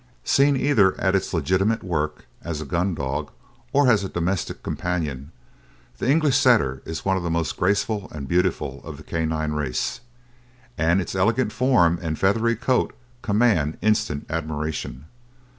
Seen either at its legitimate work as a gun dog or as a domestic companion, the English Setter is one of the most graceful and beautiful of the canine race, and its elegant form and feathery coat command instant admiration.